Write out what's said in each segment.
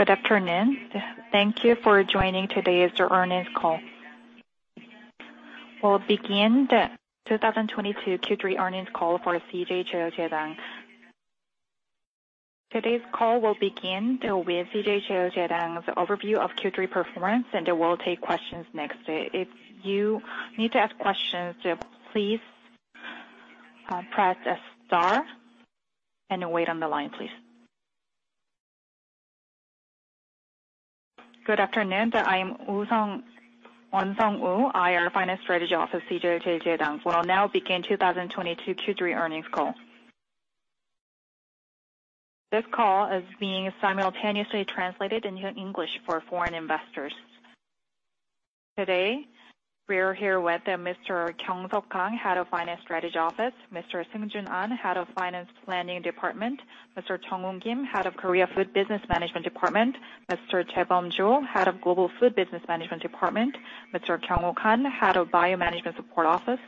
Good afternoon. Thank you for joining today's earnings call. We'll begin the 2022 Q3 earnings call for CJ CheilJedang. Today's call will begin with CJ CheilJedang's overview of Q3 performance, and we'll take questions next. If you need to ask questions, please, press star and wait on the line, please. Good afternoon. I am Woo Won-sung, Finance Strategy Office, CJ CheilJedang. We'll now begin 2022 Q3 earnings call. This call is being simultaneously translated into English for foreign investors. Today, we're here with Mr. Kang Kyung-seok, Head of Finance Strategy Office, Mr. An Seung-jun, Head of Finance Planning Department, Mr. Kim Jung-woo, Head of Food Korea Business Management Department, Mr. Cho Jae-beom, Head of Food Global Business Management Department, Mr. Han Kyung-wook, Head of BIO Business Management,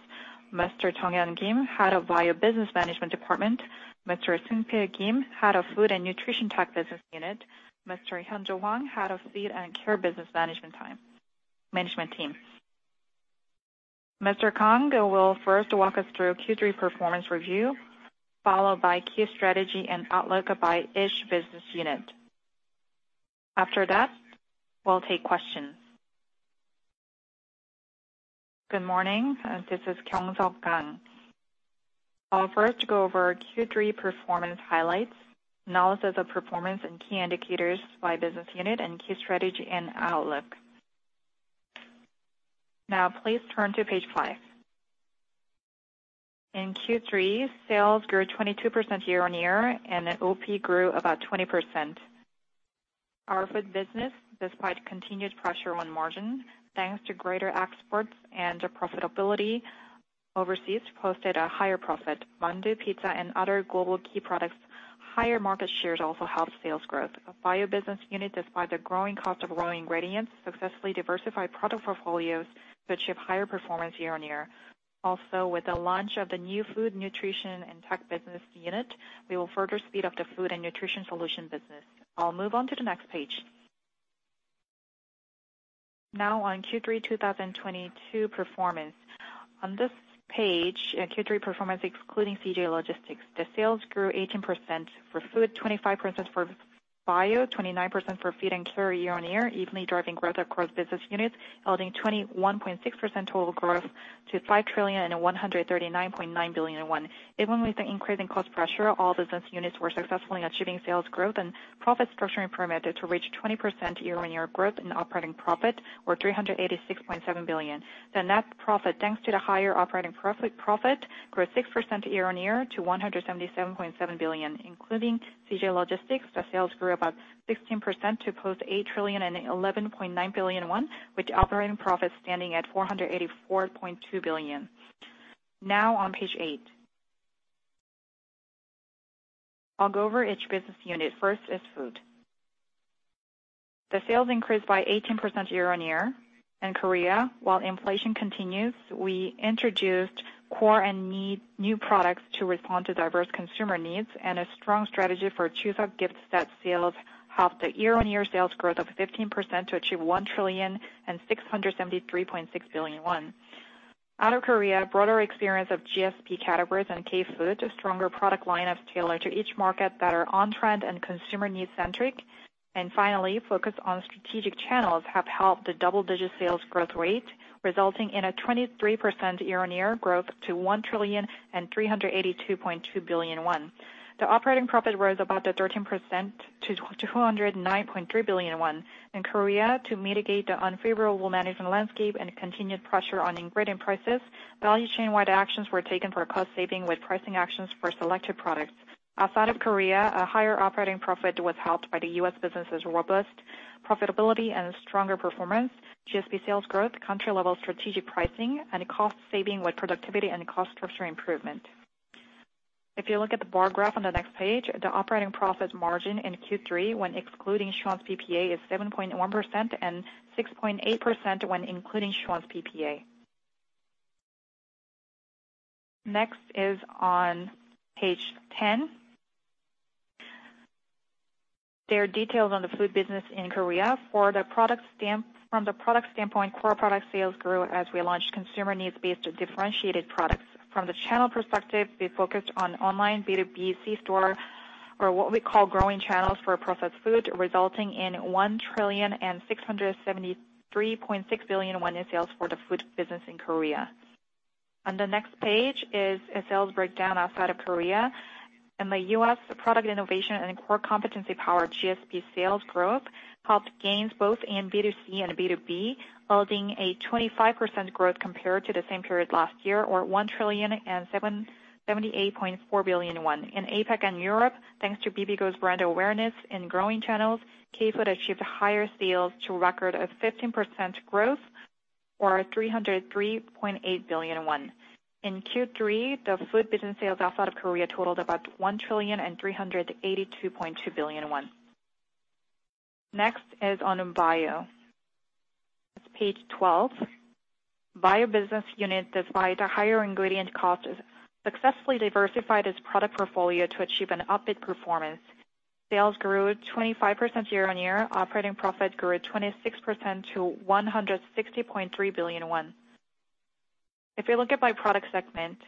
Mr. Kang Yeon-jung, Head of Bio Business Management Department, Mr. Kim Seung-jae, Head of Food and Nutrition Tech Business Unit, Mr. Hyun-Jo Hwang, Head of Feed and Care Business Management team. Mr. Kang will first walk us through Q3 performance review, followed by key strategy and outlook by each business unit. After that, we'll take questions. Good morning. This is Kang Kyung-seok. I'll first go over Q3 performance highlights, analysis of performance and key indicators by business unit and key strategy and outlook. Now please turn to page 5. In Q3, sales grew 22% year-over-year, and OP grew about 20%. Our food business, despite continued pressure on margin, thanks to greater exports and profitability overseas, posted a higher profit. Mandu, pizza, and other global key products' higher market shares also helped sales growth. Our bio business unit, despite the growing cost of raw ingredients, successfully diversified product portfolios to achieve higher performance year-on-year. Also, with the launch of the new food nutrition and tech business unit, we will further speed up the food and nutrition solution business. I'll move on to the next page. Now on Q3 2022 performance. On this page, Q3 performance, excluding CJ Logistics. The sales grew 18% for food, 25% for bio, 29% for feed and care year-on-year, evenly driving growth across business units, holding 21.6% total growth to 5,139.9 billion. Even with the increasing cost pressure, all business units were successfully achieving sales growth, and profit structuring permitted to reach 20% year-on-year growth in operating profit, or 386.7 billion. The net profit, thanks to the higher operating profit, grew 6% year-on-year to 177.7 billion. Including CJ Logistics, the sales grew about 16% to post 8,011.9 billion won, with operating profits standing at 484.2 billion. Now on page eight. I'll go over each business unit. First is food. The sales increased by 18% year-on-year. In Korea, while inflation continues, we introduced core and new products to respond to diverse consumer needs, and a strong strategy for Chuseok gifts. The sales have the year-on-year sales growth of 15% to achieve 1,673.6 billion won. Out of Korea, broader experience of GSP categories and K-food, a stronger product lineup tailored to each market that are on-trend and consumer need-centric, and finally, focus on strategic channels have helped the double-digit sales growth rate, resulting in a 23% year-on-year growth to 1,382.2 billion won. The operating profit rose about 13% to 209.3 billion won. In Korea, to mitigate the unfavorable management landscape and continued pressure on ingredient prices, value chain-wide actions were taken for cost saving with pricing actions for selected products. Outside of Korea, a higher operating profit was helped by the U.S. business's robust profitability and stronger performance, GSP sales growth, country-level strategic pricing and cost saving with productivity and cost structure improvement. If you look at the bar graph on the next page, the operating profit margin in Q3, when excluding Schwan's PPA, is 7.1%, and 6.8% when including Schwan's PPA. Next is on page 10. There are details on the food business in Korea. From the product standpoint, core product sales grew as we launched consumer needs-based differentiated products. From the channel perspective, we focused on online B2B, C store, or what we call growing channels for processed food, resulting in 1,673.6 billion won in sales for the food business in Korea. On the next page is a sales breakdown outside of Korea. In the U.S., product innovation and core competency-powered GSP sales growth helped gains both in B2C and B2B, holding a 25% growth compared to the same period last year, or 1,077.8 billion won. In APAC and Europe, thanks to Bibigo's brand awareness in growing channels, K-food achieved higher sales to record a 15% growth, or 303.8 billion won. In Q3, the food business sales outside of Korea totaled about 1,382.2 billion won. Next is on bio. Next page twelve. Bio business unit, despite the higher ingredient cost, successfully diversified its product portfolio to achieve an upbeat performance. Sales grew 25% year-on-year. Operating profit grew 26% to 160.3 billion won. If you look at by product segment,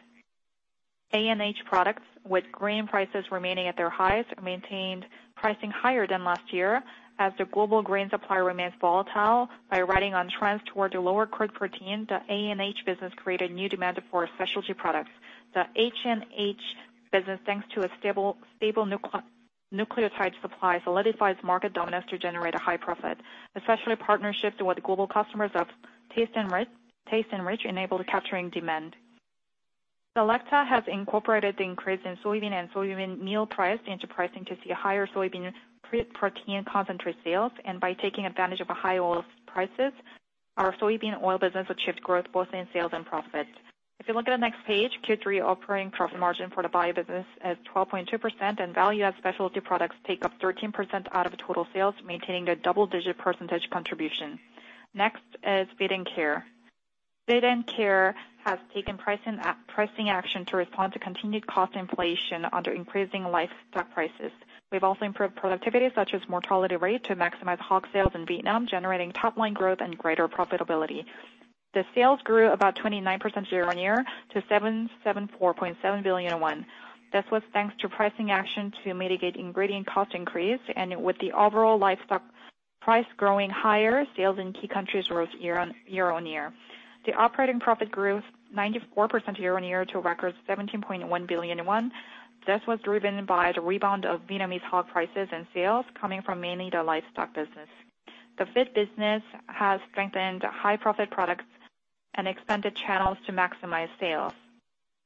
ANH products with grain prices remaining at their highest, maintained pricing higher than last year as the global grain supply remains volatile. By riding on trends towards the lower cost protein, the ANH business created new demand for specialty products. The HNH business, thanks to a stable nucleotide supply, solidifies market dominance to generate a high profit, especially partnerships with global customers of TasteNrich enabled capturing demand. CJ Selecta has incorporated the increase in soybean and soybean meal price into pricing to see higher soybean protein concentrate sales. By taking advantage of high oil prices, our soybean oil business achieved growth both in sales and profits. If you look at the next page, Q3 operating profit margin for the bio business is 12.2% and value-add specialty products take up 13% out of total sales, maintaining a double-digit percentage contribution. Next is Feed & Care. Feed & Care has taken pricing action to respond to continued cost inflation under increasing livestock prices. We've also improved productivity, such as mortality rate, to maximize hog sales in Vietnam, generating top line growth and greater profitability. The sales grew about 29% year-on-year to 774.7 billion won. This was thanks to pricing action to mitigate ingredient cost increase. With the overall livestock price growing higher, sales in key countries rose year-on-year. The operating profit grew 94% year-on-year to a record 17.1 billion won. This was driven by the rebound of Vietnamese hog prices and sales coming from mainly the livestock business. The feed business has strengthened high profit products and expanded channels to maximize sales.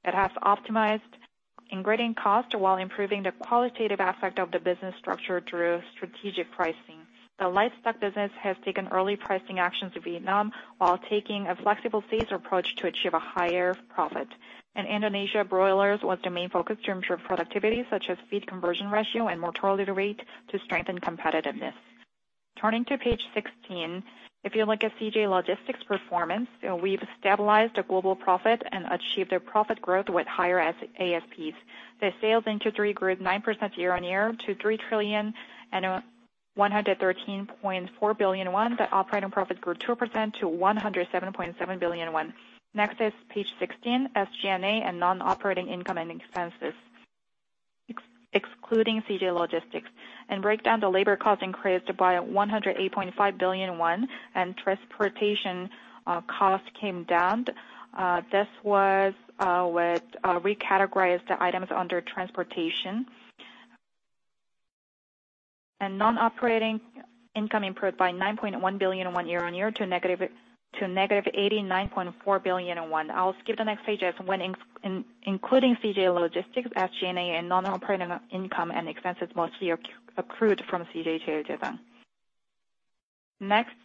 It has optimized ingredient cost while improving the qualitative aspect of the business structure through strategic pricing. The livestock business has taken early pricing actions in Vietnam while taking a flexible sales approach to achieve a higher profit. In Indonesia, broilers was the main focus to improve productivity, such as feed conversion ratio and mortality rate to strengthen competitiveness. Turning to page 16, if you look at CJ Logistics performance, we've stabilized the global profit and achieved a profit growth with higher ASPs. The sales in Q3 grew 9% year-on-year to 3,113.4 billion won. The operating profit grew 2% to 107.7 billion won. Next is page 16, SG&A and non-operating income and expenses, excluding CJ Logistics. In breakdown, the labor cost increased by 108.5 billion won and transportation cost came down. This was with recategorized items under transportation. Non-operating income improved by 9.1 billion year-on-year to -89.4 billion. I'll skip the next page as when including CJ Logistics, SG&A, and non-operating income and expenses mostly accrued from CJ Logistics. Next,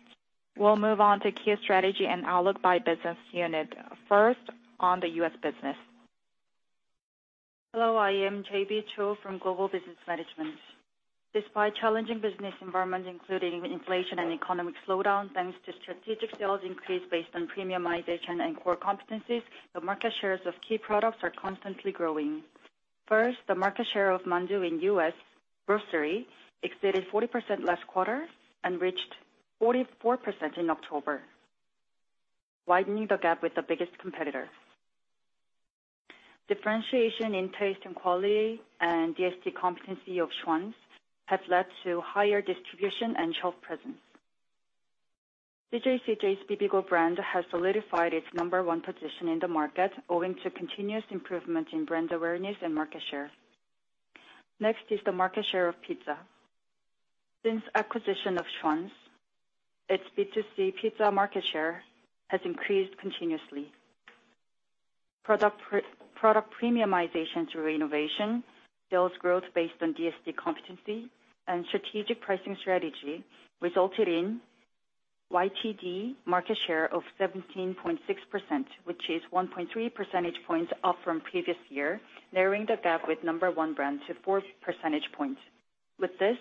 we'll move on to key strategy and outlook by business unit. First, on the U.S. business. Hello, I am JB Cho from Global Business Management. Despite challenging business environment, including inflation and economic slowdown, thanks to strategic sales increase based on premiumization and core competencies, the market shares of key products are constantly growing. First, the market share of Mandu in U.S. grocery exceeded 40% last quarter and reached 44% in October, widening the gap with the biggest competitor. Differentiation in taste and quality and DSD competency of Schwan's have led to higher distribution and shelf presence. The CJ's Bibigo brand has solidified its number one position in the market, owing to continuous improvement in brand awareness and market share. Next is the market share of pizza. Since acquisition of Schwan's, its B2C pizza market share has increased continuously. Product premiumization through innovation, sales growth based on DSD competency, and strategic pricing strategy resulted in YTD market share of 17.6%, which is 1.3 percentage points up from previous year, narrowing the gap with number one brand to 4 percentage points. With this,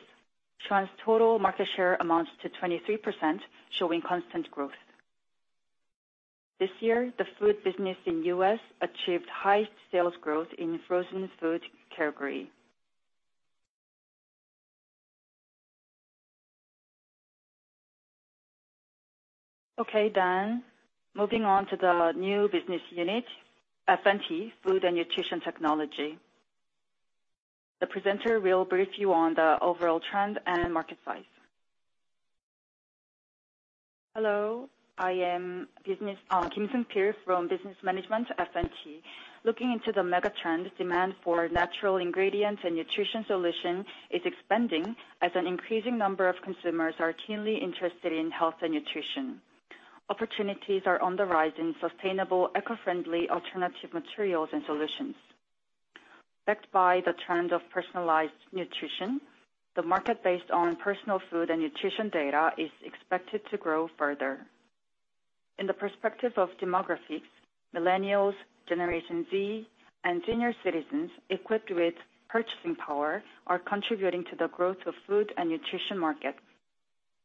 Schwan's total market share amounts to 23%, showing constant growth. This year, the food business in U.S. achieved high sales growth in frozen food category. Okay, moving on to the new business unit, FNT, Food and Nutrition Technology. The presenter will brief you on the overall trend and market size. Hello, I am Kim Seung-jae from Business Management FNT. Looking into the mega-trend, demand for natural ingredients and nutrition solution is expanding as an increasing number of consumers are keenly interested in health and nutrition. Opportunities are on the rise in sustainable, eco-friendly alternative materials and solutions. Backed by the trends of personalized nutrition, the market based on personal food and nutrition data is expected to grow further. In the perspective of demography, millennials, Generation Z, and senior citizens equipped with purchasing power are contributing to the growth of food and nutrition market.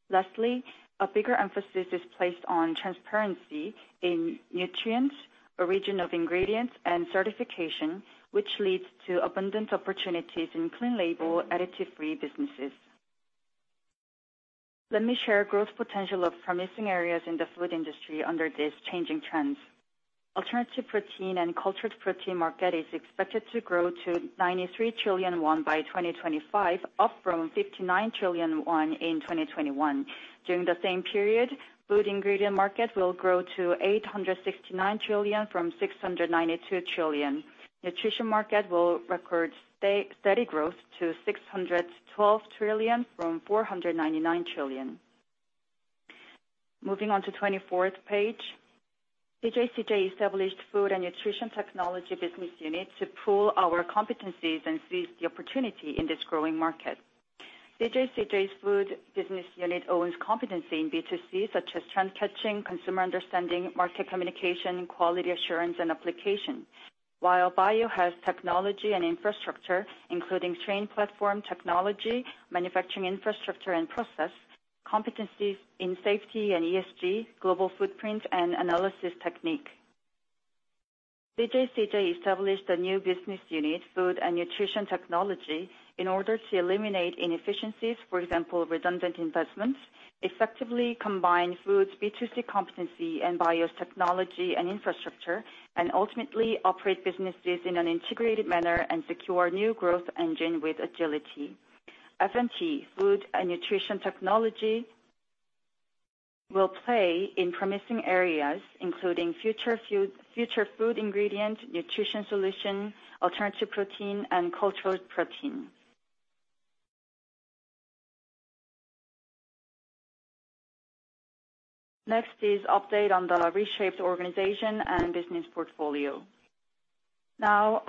Lastly, a bigger emphasis is placed on transparency in nutrients, origin of ingredients, and certification, which leads to abundant opportunities in clean label, additive-free businesses. Let me share growth potential of promising areas in the food industry under this changing trends. Alternative protein and cultured protein market is expected to grow to 93 trillion won by 2025, up from 59 trillion won in 2021. During the same period, food ingredient market will grow to 869 trillion from 692 trillion. Nutrition market will record steady growth to 612 trillion from 499 trillion. Moving on to 24th page. CJ CheilJedang established food and nutrition technology business unit to pool our competencies and seize the opportunity in this growing market. CJ CheilJedang's food business unit owns competency in B2C, such as trend catching, consumer understanding, market communication, quality assurance, and application. While bio has technology and infrastructure, including trained platform technology, manufacturing infrastructure and process, competencies in safety and ESG, global footprint, and analysis technique. CJ CheilJedang established a new business unit, Food and Nutrition Technology, in order to eliminate inefficiencies, for example, redundant investments, effectively combine foods, B2C competency, and bio's technology and infrastructure, and ultimately operate businesses in an integrated manner and secure new growth engine with agility. FNT, Food and Nutrition Technology, will play in promising areas, including future food ingredient, nutrition solution, alternative protein, and cultured protein. Next is update on the reshaped organization and business portfolio. Now,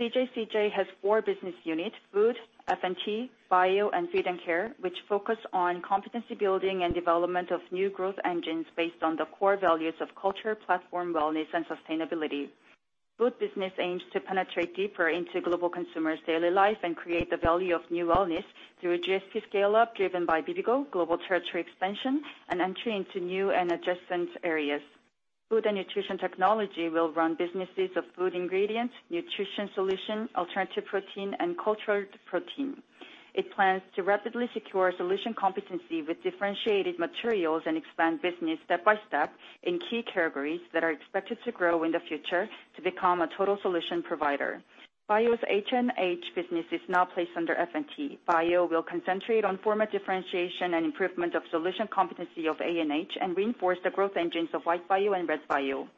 CJ has four business unit: Food, FNT, Bio, and Feed&Care, which focus on competency building and development of new growth engines based on the core values of culture, platform, wellness, and sustainability. Food business aims to penetrate deeper into global consumers' daily life and create the value of new wellness through GSP scale-up, driven by Bibigo, global territory expansion, and entry into new and adjacent areas. Food and nutrition technology will run businesses of food ingredients, nutrition solution, alternative protein, and cultured protein. It plans to rapidly secure solution competency with differentiated materials and expand business step by step in key categories that are expected to grow in the future to become a total solution provider. Bio's HNH business is now placed under FNT. Bio will concentrate on format differentiation and improvement of solution competency of ANH and reinforce the growth engines of white bio and red bio.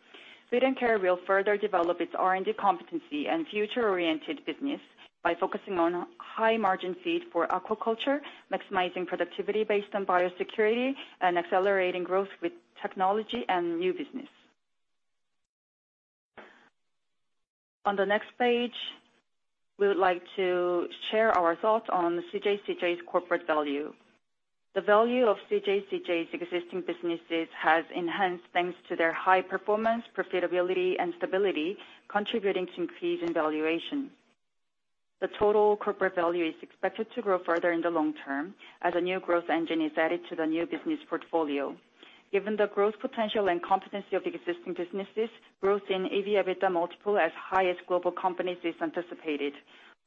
Feed & Care will further develop its R&D competency and future-oriented business by focusing on high margin feed for aquaculture, maximizing productivity based on biosecurity, and accelerating growth with technology and new business. On the next page, we would like to share our thoughts on CJ's corporate value. The value of CJ's existing businesses has enhanced thanks to their high performance, profitability, and stability, contributing to increase in valuation. The total corporate value is expected to grow further in the long term as a new growth engine is added to the new business portfolio. Given the growth potential and competency of existing businesses, growth in EV/EBITDA multiple as high as global companies is anticipated.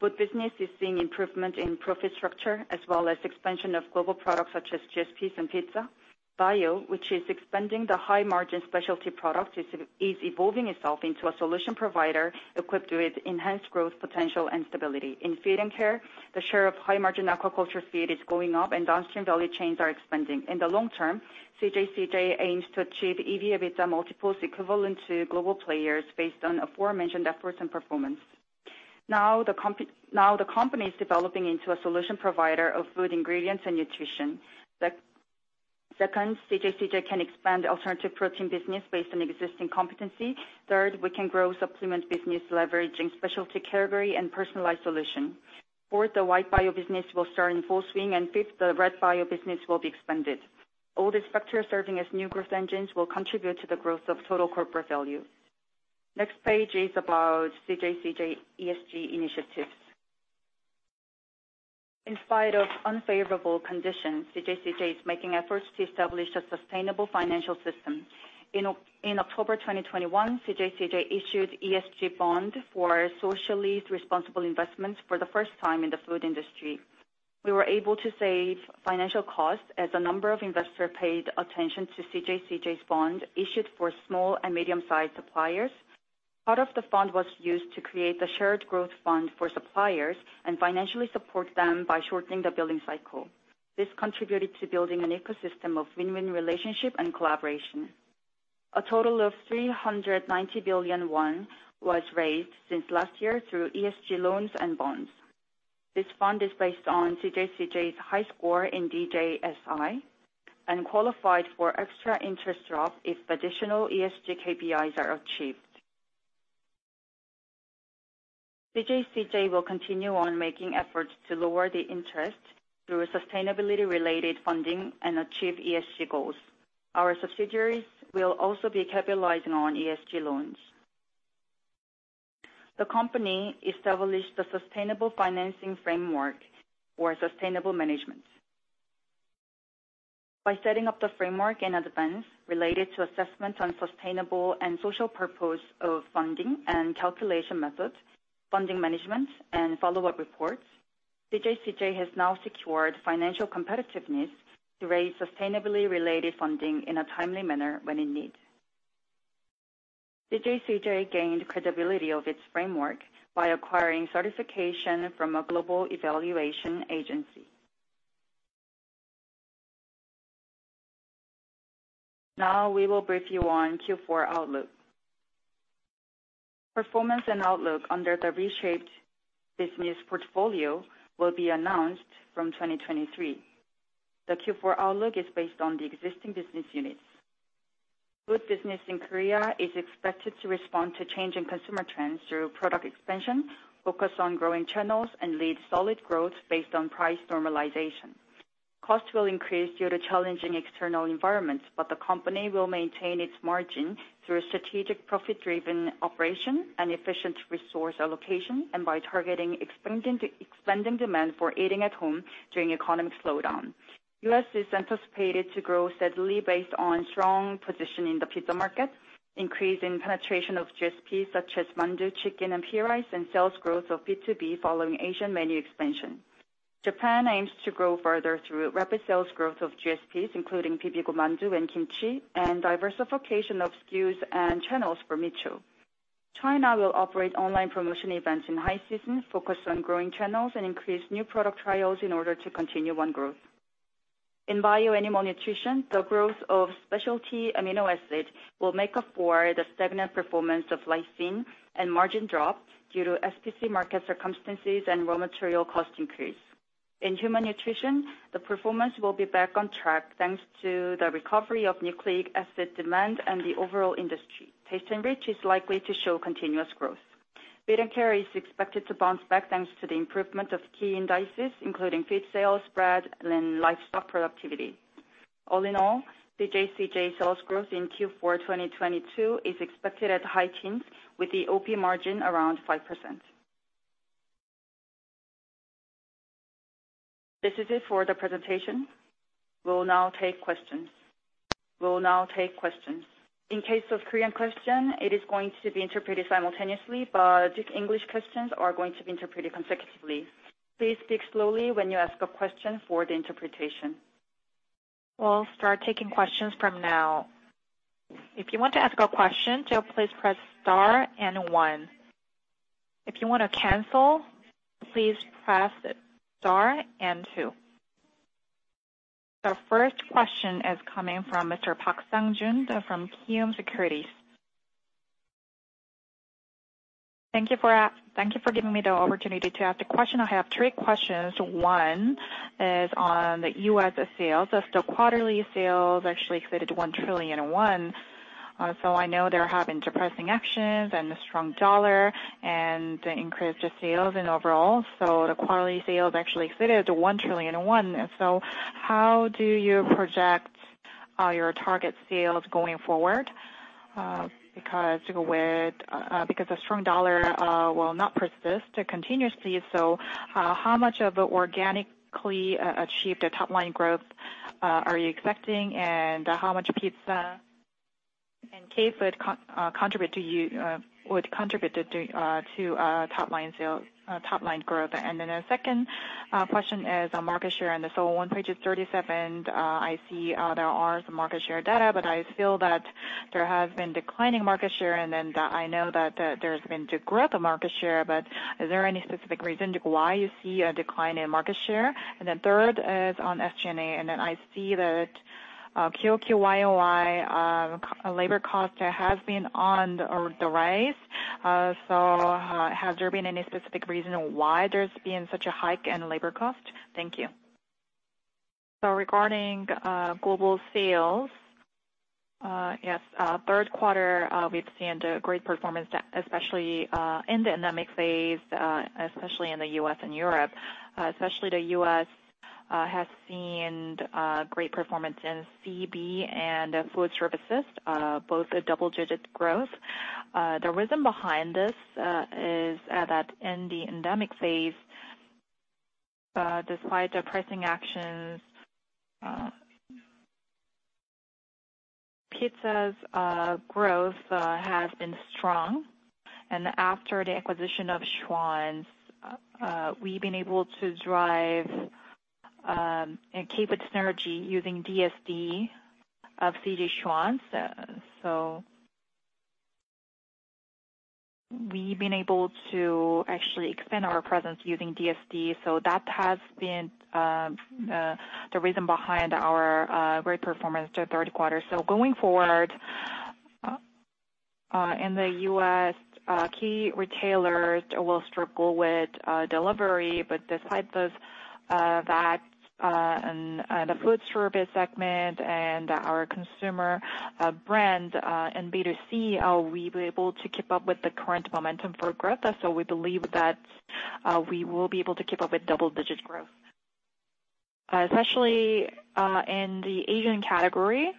Food business is seeing improvement in profit structure as well as expansion of global products such as GSPs and pizza. Bio, which is expanding the high margin specialty product, is evolving itself into a solution provider equipped with enhanced growth potential and stability. In feed and care, the share of high margin aquaculture feed is going up and downstream value chains are expanding. In the long term, CJ aims to achieve EV/EBITDA multiples equivalent to global players based on aforementioned efforts and performance. Now the company is developing into a solution provider of food, ingredients, and nutrition. Second, CJ can expand alternative protein business based on existing competency. Third, we can grow supplement business leveraging specialty category and personalized solution. Fourth, the white bio business will start in full swing, and fifth, the red bio business will be expanded. All these factors serving as new growth engines will contribute to the growth of total corporate value. Next page is about CJ ESG initiatives. In spite of unfavorable conditions, CJ is making efforts to establish a sustainable financial system. In October 2021, CJ issued ESG bond for socially responsible investments for the first time in the food industry. We were able to save financial costs as a number of investor paid attention to CJ's bond issued for small and medium-sized suppliers. Part of the fund was used to create the shared growth fund for suppliers and financially support them by shortening the billing cycle. This contributed to building an ecosystem of win-win relationship and collaboration. A total of 390 billion won was raised since last year through ESG loans and bonds. This fund is based on CJ CheilJedang's high score in DJSI and qualified for extra interest drop if additional ESG KPIs are achieved. CJ CheilJedang will continue on making efforts to lower the interest through a sustainability related funding and achieve ESG goals. Our subsidiaries will also be capitalizing on ESG loans. The company established a sustainable financing framework for sustainable management. By setting up the framework in advance related to assessment on sustainable and social purpose of funding and calculation methods, funding management, and follow-up reports, CJ CheilJedang has now secured financial competitiveness to raise sustainably related funding in a timely manner when in need. CJ CheilJedang gained credibility of its framework by acquiring certification from a global evaluation agency. Now we will brief you on Q4 outlook. Performance and outlook under the reshaped business portfolio will be announced from 2023. The Q4 outlook is based on the existing business units. Food business in Korea is expected to respond to changing consumer trends through product expansion, focus on growing channels, and lead solid growth based on price normalization. Cost will increase due to challenging external environments, but the company will maintain its margin through strategic profit-driven operation and efficient resource allocation, and by targeting expanding demand for eating at home during economic slowdown. U.S. is anticipated to grow steadily based on strong position in the pizza market, increase in penetration of GSPs such as mandu, chicken, and Hetbahn, and sales growth of B2B following Asian menu expansion. Japan aims to grow further through rapid sales growth of GSPs including Bibigo mandu and kimchi, and diversification of SKUs and channels for Micho. China will operate online promotion events in high season, focus on growing channels, and increase new product trials in order to continue on growth. In bio animal nutrition, the growth of specialty amino acid will make up for the stagnant performance of lysine and margin drop due to SPC market circumstances and raw material cost increase. In human nutrition, the performance will be back on track, thanks to the recovery of nucleic acid demand and the overall industry. TasteNrich is likely to show continuous growth. Feed&Care is expected to bounce back, thanks to the improvement of key indices, including feed sales, spread, and livestock productivity. All in all, the CJ CheilJedang sales growth in Q4 2022 is expected at high teens, with the OP margin around 5%. This is it for the presentation. We will now take questions. In case of Korean question, it is going to be interpreted simultaneously, but English questions are going to be interpreted consecutively. Please speak slowly when you ask a question for the interpretation. We'll start taking questions from now. If you want to ask a question, please press star and one. If you wanna cancel, please press star and two. The first question is coming from Mr. Park Sang-jun from Kiwoom Securities. Thank you for giving me the opportunity to ask the question. I have three questions. One is on the US sales. As the quarterly sales actually exceeded 1 trillion, I know they're having expansion actions and the strong dollar and increased sales overall. The quarterly sales actually exceeded 1 trillion. How do you project your target sales going forward? Because the strong dollar will not persist continuously. How much organically achieved top line growth are you expecting, and how much pizza and K-food would contribute to top line sales, top line growth? Then a second question is on market share. On slide one, page 37, I see there are some market share data, but I feel that there has been declining market share. I know that there's been growth of market share, but is there any specific reason to why you see a decline in market share? The third is on SG&A. Then I see that QoQ YoY labor cost has been on the rise. So, has there been any specific reason why there's been such a hike in labor cost? Thank you. Regarding global sales, yes, in the third quarter we've seen great performance, especially in the endemic phase, especially in the U.S. and Europe. Especially the U.S. has seen great performance in CB and food services, both with double-digit growth. The reason behind this is that in the endemic phase, despite the pricing actions, pizza's growth has been strong. After the acquisition of Schwan's, we've been able to drive and keep its synergy using DSD of CJ Schwan's. We've been able to actually expand our presence using DSD. That has been the reason behind our great performance in the third quarter. Going forward in the U.S., key retailers will struggle with delivery. Despite this The food service segment and our consumer brand and B2C, are we able to keep up with the current momentum for growth? We believe that we will be able to keep up with double-digit growth. Especially, in the Asian category,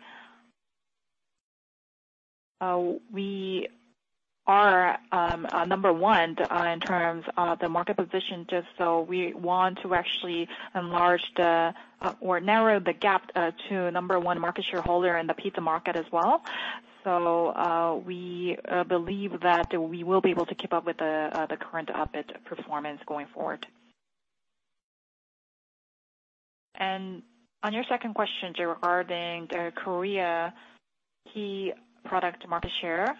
we are number one in terms of the market position, just so we want to actually or narrow the gap to number one market share holder in the pizza market as well. We believe that we will be able to keep up with the current upbeat performance going forward. On your second question regarding the Korea key product market share.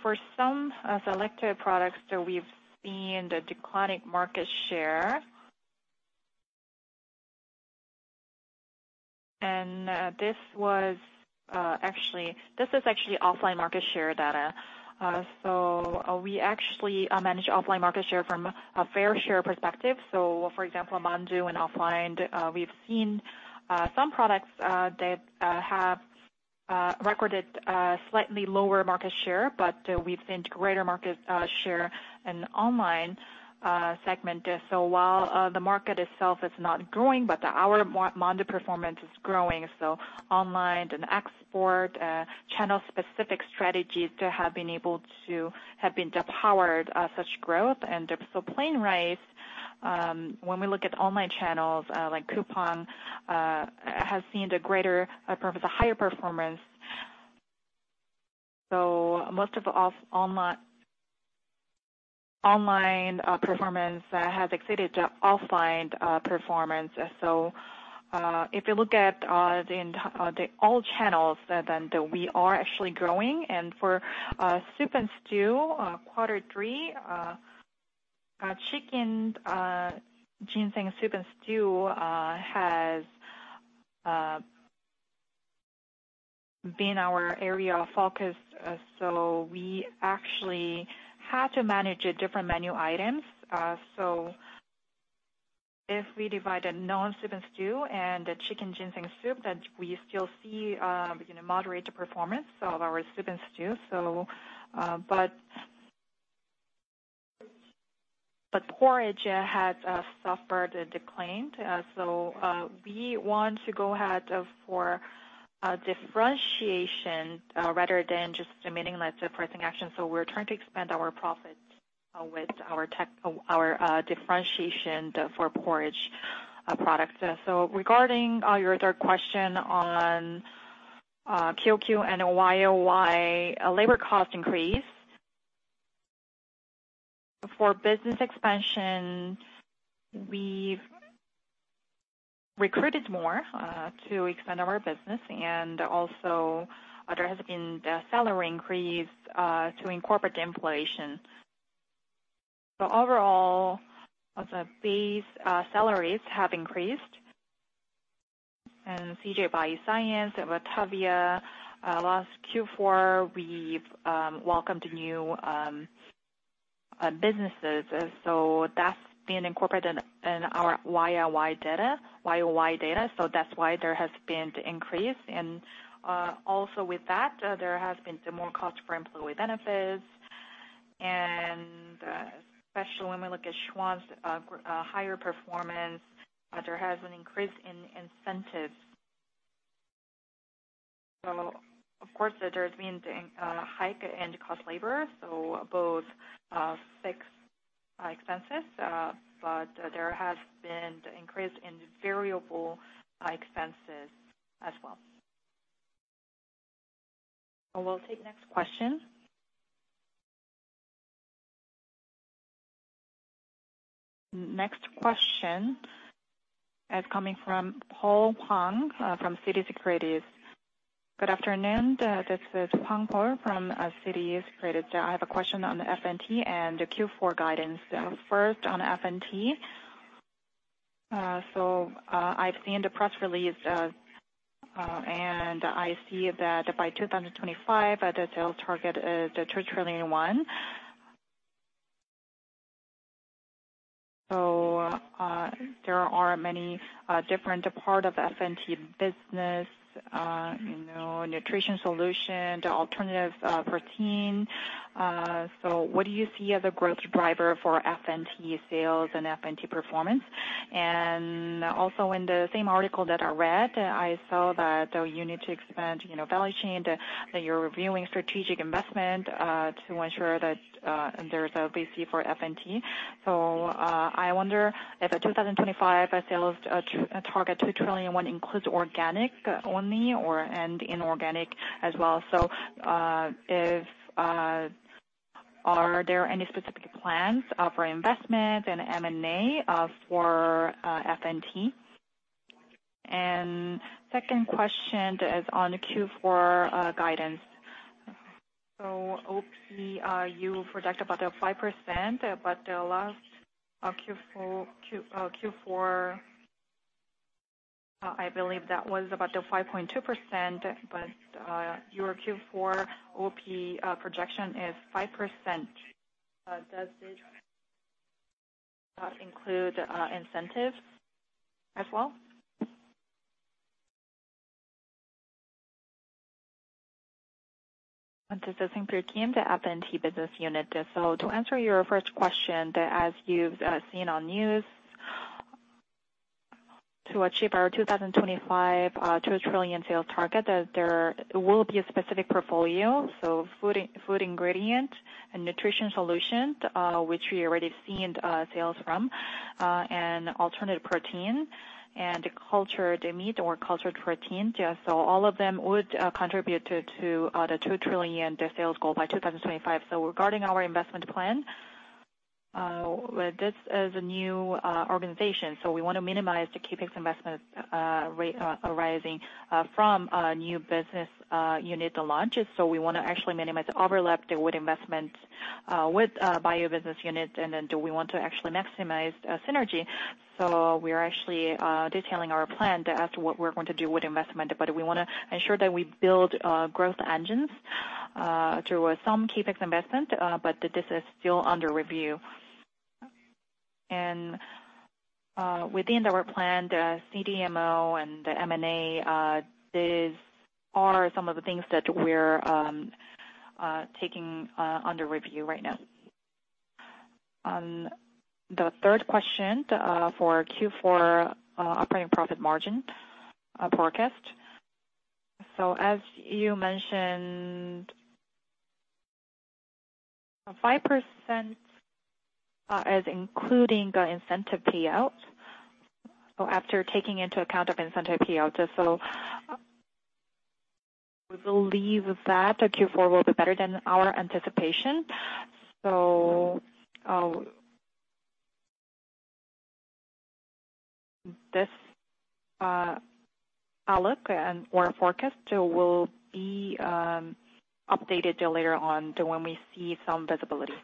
For some selected products that we've seen the declining market share, and this is actually offline market share data. We actually manage offline market share from a fair share perspective. For example, Mandu and offline, we've seen some products that have recorded slightly lower market share, but we've seen greater market share in online segment. While the market itself is not growing, but our Mandu performance is growing, online and export channel-specific strategies have been the power of such growth. Plain rice, when we look at online channels like Coupang, has seen the greater performance, a higher performance. Most online performance has exceeded the offline performance. If you look at all channels, then we are actually growing. For soup and stew quarter three, our chicken ginseng soup and stew has been our area of focus, so we actually had to manage different menu items. If we divide a non-soup and stew and the chicken ginseng soup, then we still see, you know, moderate performance of our soup and stew. But porridge has suffered a decline. We want to go ahead for differentiation rather than just eliminating that pricing action. We're trying to expand our profit with our differentiation for porridge products. Regarding your third question on QoQ and YoY labor cost increase. For business expansion, we've recruited more to expand our business, and also there has been the salary increase to incorporate the inflation. Overall, the base salaries have increased. In CJ Bioscience, Batavia, last Q4, we've welcomed new businesses. That's been incorporated in our YoY data, so that's why there has been the increase. Also with that, there has been some more cost for employee benefits. Especially when we look at Schwan's higher performance, there has an increase in incentives. Of course, there's been a hike in labor cost, so both fixed expenses but there has been the increase in variable expenses as well. We'll take next question. Next question is coming from Paul Hwang from Citi Securities. Good afternoon. This is Paul Hwang from Citi Securities. I have a question on the FNT and the Q4 guidance. First, on FNT. I've seen the press release, and I see that by 2025, the sales target is KRW 2 trillion. There are many different part of FNT business, you know, nutrition solution to alternative protein. What do you see as a growth driver for FNT sales and FNT performance? Also, in the same article that I read, I saw that you need to expand, you know, value chain, that you're reviewing strategic investment to ensure that there's a VC for FNT. I wonder if the 2025 sales target 2 trillion includes organic only or and inorganic as well. Are there any specific plans for investment and M&A for FNT? Second question is on the Q4 guidance. OP, you project about the 5%, but the last Q4. I believe that was about the 5.2%, but your Q4 OP projection is 5%. Does this include incentives as well? The FNT business unit. To answer your first question, as you've seen on news, to achieve our 2025 2 trillion sales target, there will be a specific portfolio. Food ingredient and nutrition solutions, which we already seen sales from, and alternative protein and cultured meat or cultured protein. Yeah, all of them would contribute to the KRW 2 trillion sales goal by 2025. Regarding our investment plan, this is a new organization, so we wanna minimize the CapEx investment arising from a new business unit launches. We want to actually minimize the overlap, the would investments with bio business unit, and then we want to actually maximize synergy. We are actually detailing our plan as to what we're going to do with investment, but we want to ensure that we build growth engines through some CapEx investment, but this is still under review. Within our plan, the CDMO and the M&A, these are some of the things that we're taking under review right now. The third question for Q4 operating profit margin forecast. As you mentioned, 5% is including the incentive payouts. After taking into account incentive payouts, we believe that the Q4 will be better than our anticipation. This outlook and/or forecast will be updated later on to when we see some visibility.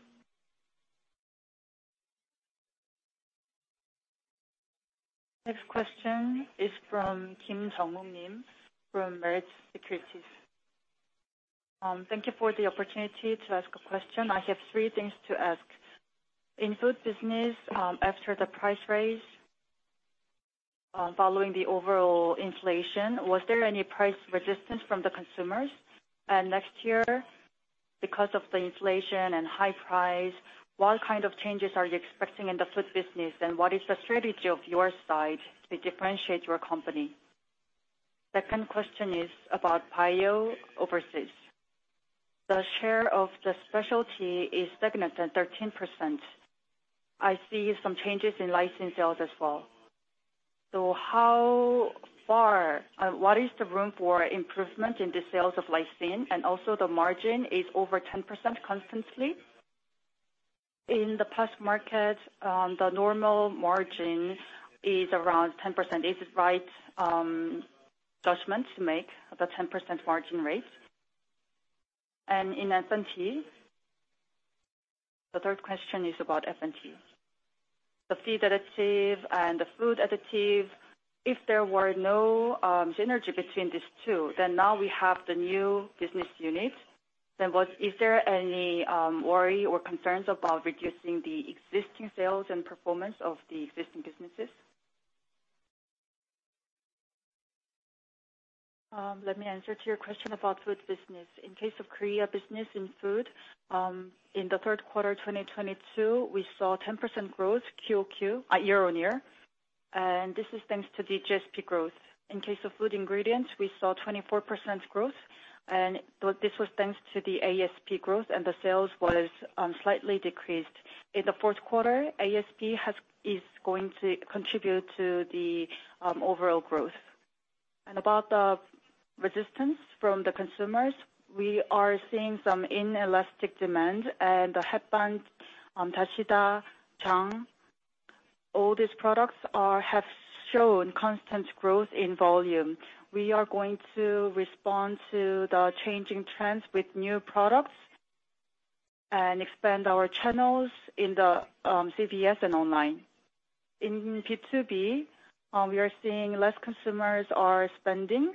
Next question is from Kim Jong-min from Meritz Securities. Thank you for the opportunity to ask a question. I have three things to ask. In food business, after the price raise, following the overall inflation, was there any price resistance from the consumers? Next year, because of the inflation and high price, what kind of changes are you expecting in the food business, and what is the strategy of your side to differentiate your company? Second question is about bio overseas. The share of the specialty is stagnant at 13%. I see some changes in lysine sales as well. What is the room for improvement in the sales of lysine, and also the margin is over 10% constantly. In the past market, the normal margin is around 10%. Is it right judgment to make, the 10% margin rate? In FNT, the third question is about FNT. The feed additive and the food additive, if there were no synergy between these two, then now we have the new business unit, is there any worry or concerns about reducing the existing sales and performance of the existing businesses? Let me answer to your question about food business. In case of Korea business in food, in the third quarter of 2022, we saw 10% growth QoQ, year-on-year, and this is thanks to the JSP growth. In case of food ingredients, we saw 24% growth, and this was thanks to the ASP growth, and the sales was slightly decreased. In the fourth quarter, ASP is going to contribute to the overall growth. About the resistance from the consumers, we are seeing some inelastic demand, and the Hetbahn, Dasida, Jang, all these products have shown constant growth in volume. We are going to respond to the changing trends with new products and expand our channels in the CVS and online. In B2B, we are seeing less consumers are spending.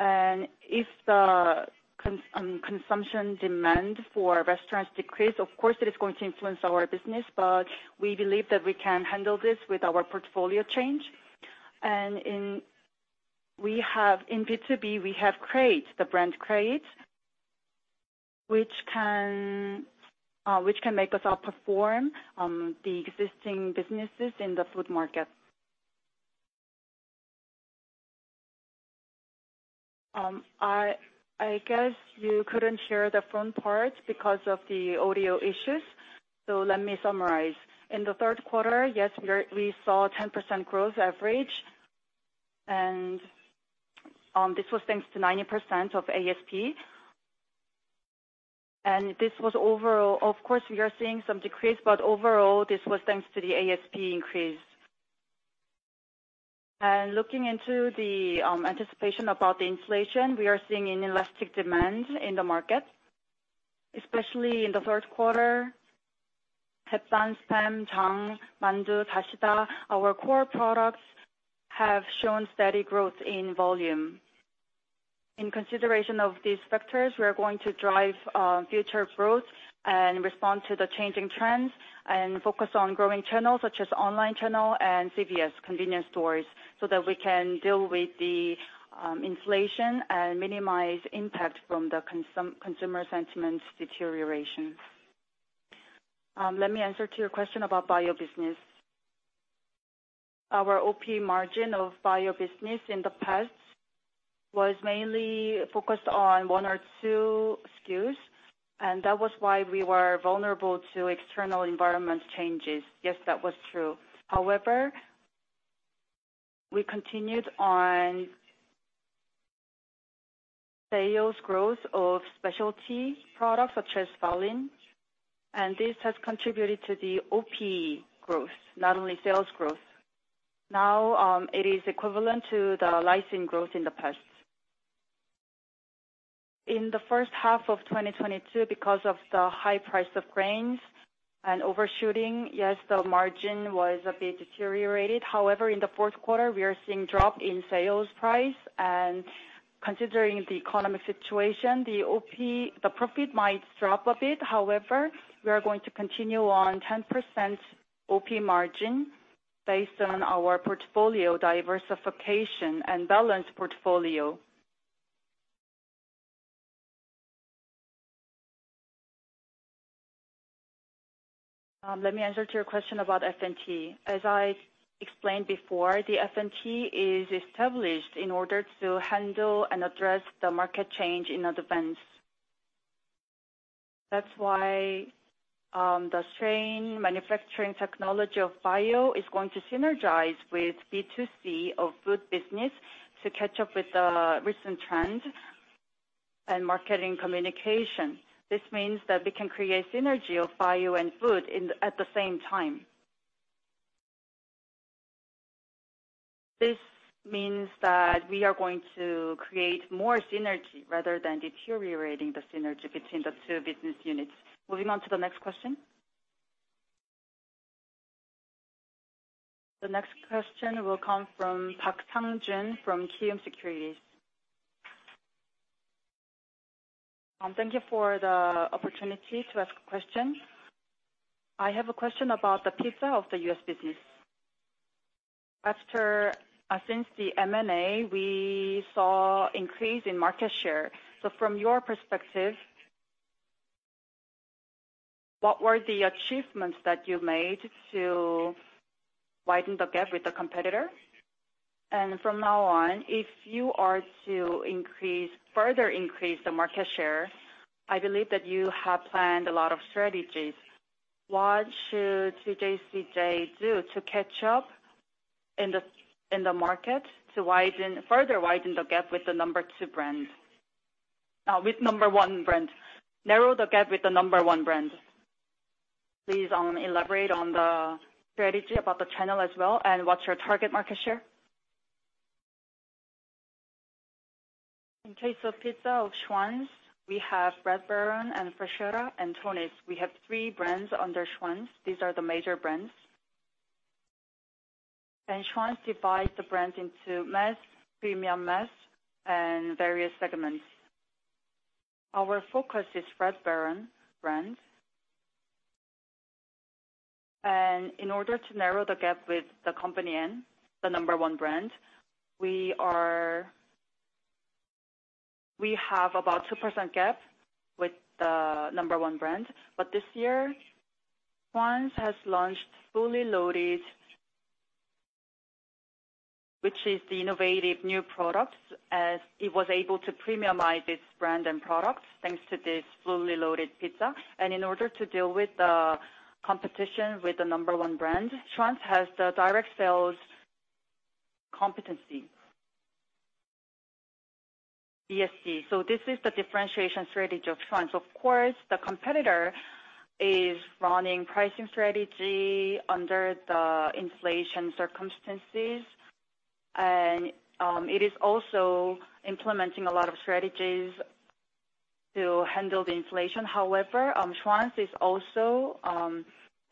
If the consumption demand for restaurants decrease, of course it is going to influence our business, but we believe that we can handle this with our portfolio change. In B2B, we have Creeat, the brand Creeat, which can make us outperform the existing businesses in the food market. I guess you couldn't hear the front part because of the audio issues, so let me summarize. In the third quarter, yes, we saw 10% growth average and this was thanks to 90% of ASP and this was overall. Of course, we are seeing some decrease, but overall, this was thanks to the ASP increase. Looking into the anticipation about the inflation, we are seeing an inelastic demand in the market, especially in the third quarter. Our core products have shown steady growth in volume. In consideration of these factors, we are going to drive future growth and respond to the changing trends and focus on growing channels such as online channel and CVS convenience stores so that we can deal with the inflation and minimize impact from the consumer sentiments deterioration. Let me answer to your question about bio business. Our OP margin of bio business in the past was mainly focused on one or two SKUs, and that was why we were vulnerable to external environment changes. Yes, that was true. However, we continued on sales growth of specialty products such as Valine, and this has contributed to the OP growth, not only sales growth. Now, it is equivalent to the lysine growth in the past. In the first half of 2022, because of the high price of grains and overshooting, yes, the margin was a bit deteriorated. However, in the fourth quarter we are seeing drop in sales price and considering the economic situation, the OP, the profit might drop a bit. However, we are going to continue on 10% OP margin based on our portfolio diversification and balanced portfolio. Let me answer to your question about FNT. As I explained before, the FNT is established in order to handle and address the market change in advance. That's why the strain manufacturing technology of bio is going to synergize with B2C of food business to catch up with the recent trend and marketing communication. This means that we can create synergy of bio and food in at the same time. This means that we are going to create more synergy rather than deteriorating the synergy between the two business units. Moving on to the next question. The next question will come from Park Sang-jun from Kiwoom Securities. Thank you for the opportunity to ask a question. I have a question about the pizza of the U.S. business. After since the M&A, we saw increase in market share. From your perspective, what were the achievements that you made to widen the gap with the competitor? From now on, if you are to increase, further increase the market share, I believe that you have planned a lot of strategies. What should CJ do to catch up in the market to narrow the gap with the number one brand? Please elaborate on the strategy about the channel as well, and what's your target market share? In case of pizza of Schwan's, we have Red Baron and Freschetta and Tony's. We have three brands under Schwan's. These are the major brands. Schwan's divides the brands into mass, premium mass, and various segments. Our focus is Red Baron brand. In order to narrow the gap with the Company N, the number one brand, we have about 2% gap with the number one brand. This year, Schwan's has launched Fully Loaded, which is the innovative new products, as it was able to premiumize its brand and products thanks to this Fully Loaded pizza. In order to deal with the competition with the number one brand, Schwan's has the direct sales competency, DSD. This is the differentiation strategy of Schwan's. Of course, the competitor is running pricing strategy under the inflation circumstances. It is also implementing a lot of strategies to handle the inflation. However, Schwan's has also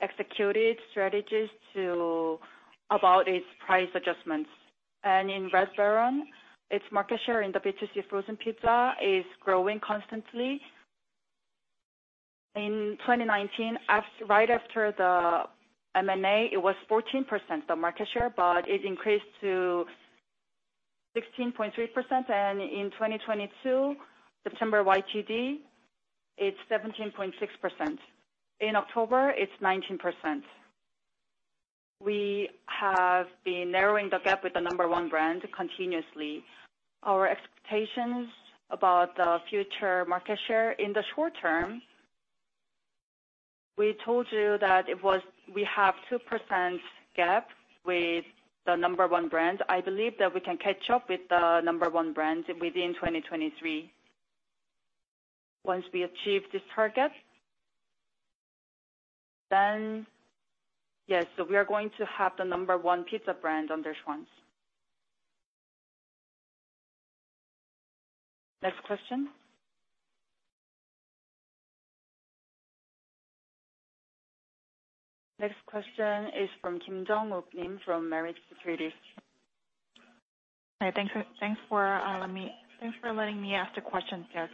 executed strategies to, about its price adjustments. In Red Baron, its market share in the B2C frozen pizza is growing constantly. In 2019, right after the M&A, it was 14%, the market share, but it increased to 16.3%. In 2022, September YTD, it's 17.6%. In October, it's 19%. We have been narrowing the gap with the number one brand continuously. Our expectations about the future market share in the short term, we told you that we have 2% gap with the number one brand. I believe that we can catch up with the number one brand within 2023. Once we achieve this target, we are going to have the number one pizza brand under Schwan's. Next question is from Kim Jong-wook, nim from Merrill Lynch. Hi. Thanks for letting me ask the questions here.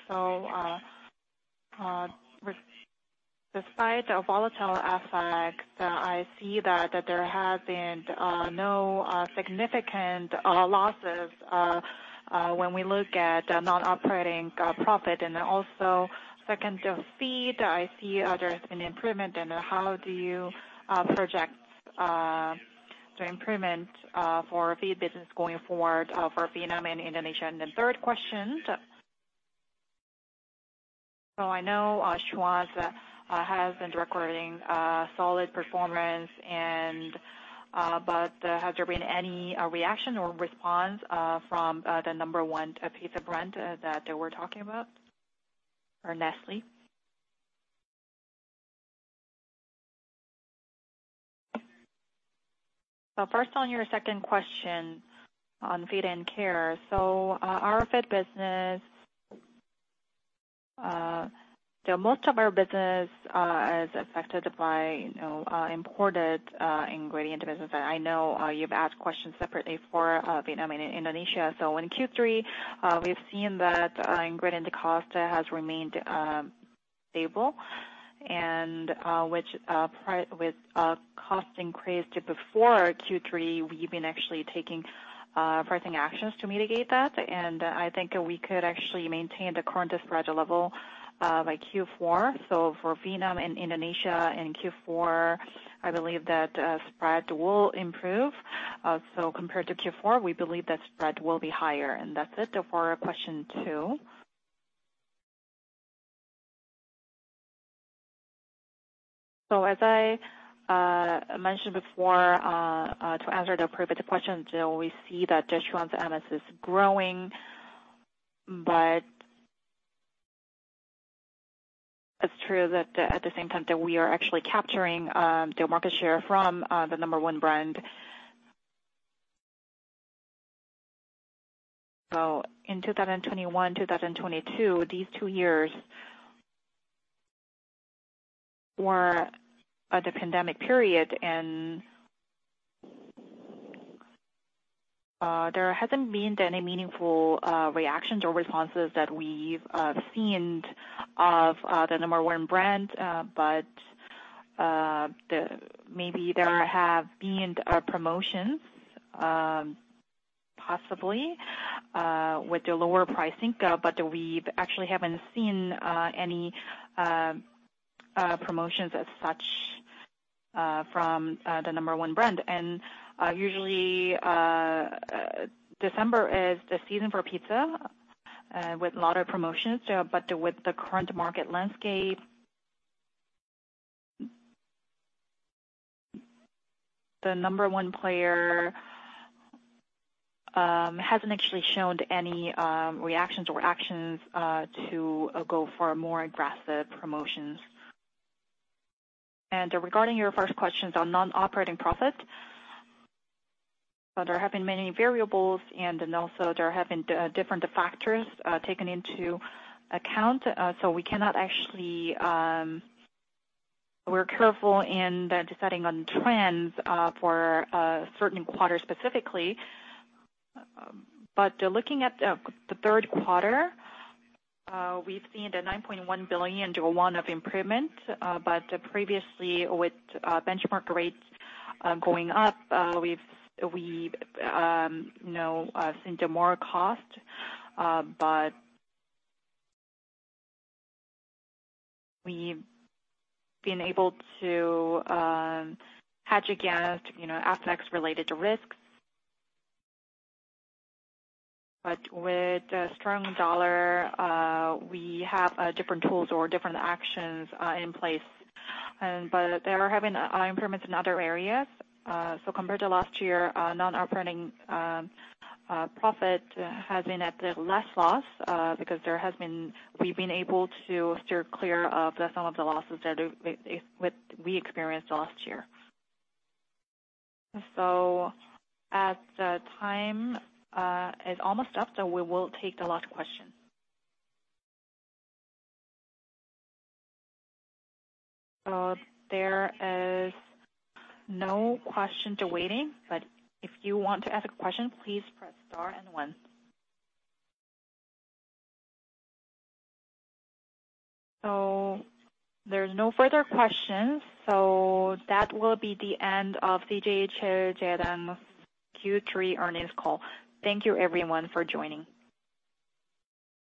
Despite the volatile aspects, I see that there has been no significant losses when we look at the non-operating profit. Then also second, the feed, I see there's been improvement and how do you project the improvement for feed business going forward for Vietnam and Indonesia. Then third question. I know Schwan's has been recording solid performance. Has there been any reaction or response from the number one pizza brand that they were talking about or Nestlé? First on your second question on feed and care. Our feed business, most of our business is affected by, you know, imported ingredient business. I know you've asked questions separately for Vietnam and Indonesia. In Q3, we've seen that ingredient cost has remained stable and, with cost increased before Q3, we've been actually taking pricing actions to mitigate that. I think we could actually maintain the current spread level by Q4. For Vietnam and Indonesia in Q4, I believe that spread will improve. Compared to Q4, we believe that spread will be higher. That's it for question two. As I mentioned before to answer the previous question, we see that the Schwan's MS is growing, but it's true that at the same time that we are actually capturing the market share from the number one brand. In 2021, 2022, these two years were the pandemic period and there hasn't been any meaningful reactions or responses that we've seen of the number one brand. Maybe there have been promotions, possibly with the lower pricing, but we've actually haven't seen any promotions as such from the number one brand. Usually, December is the season for pizza with a lot of promotions, but with the current market landscape, the number one player hasn't actually shown any reactions or actions to go for more aggressive promotions. Regarding your first questions on non-operating profit, there have been many variables and then also there have been different factors taken into account. We cannot actually. We're careful in deciding on trends for certain quarters specifically. Looking at the third quarter, we've seen the KRW 9.1 billion to 10 billion of improvement. Previously with benchmark rates going up, we've seen more costs, but we've been able to hedge against you know, aspects related to risks. With the strong U.S. dollar, we have different tools or different actions in place. They are having improvements in other areas. Compared to last year, non-operating profit has been at a lesser loss, because we've been able to steer clear of some of the losses that we experienced last year. As the time is almost up, we will take the last question. There is no question waiting, but if you want to ask a question, please press star and one. There's no further questions. That will be the end of CJ CheilJedang Q3 earnings call. Thank you everyone for joining.